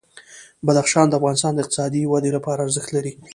بدخشان د افغانستان د اقتصادي ودې لپاره ارزښت لري.